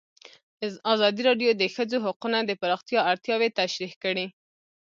ازادي راډیو د د ښځو حقونه د پراختیا اړتیاوې تشریح کړي.